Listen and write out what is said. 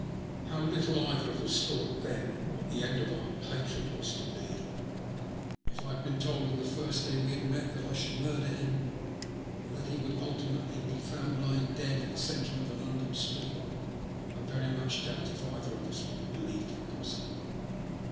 How little either of us thought then what the end of our hatred was to be ! If I had been told on the first day we had met that I should murder him, and that he would ultimately be found lying dead in the centre of a London street, I very much doubt if either of us would have believed it possible.